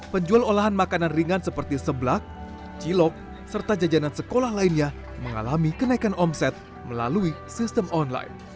penjual olahan makanan ringan seperti seblak cilok serta jajanan sekolah lainnya mengalami kenaikan omset melalui sistem online